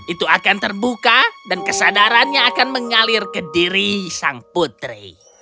itu akan terbuka dan kesadarannya akan mengalir ke diri sang putri